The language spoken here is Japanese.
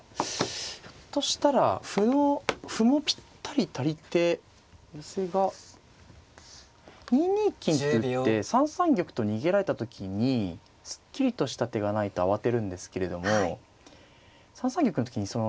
ひょっとしたら歩を歩もぴったり足りて寄せが２二金って打って３三玉と逃げられた時にすっきりとした手がないと慌てるんですけれども３三玉の時に４二飛車成今